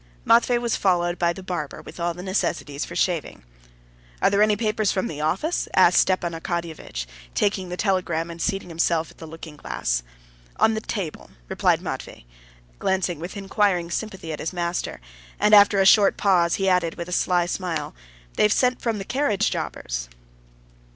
Matvey was followed by the barber with all the necessaries for shaving. "Are there any papers from the office?" asked Stepan Arkadyevitch, taking the telegram and seating himself at the looking glass. "On the table," replied Matvey, glancing with inquiring sympathy at his master; and, after a short pause, he added with a sly smile, "They've sent from the carriage jobbers."